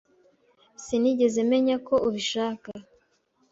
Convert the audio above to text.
Sinigeze menya ko ubishaka.